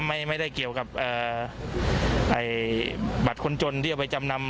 ไม่ได้เกี่ยวกับบัตรคนจนที่เอาไปจำนำ